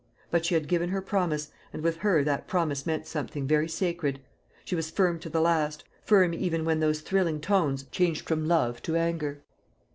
But she had given her promise, and with her that promise meant something very sacred. She was firm to the last firm even when those thrilling tones changed from love to auger.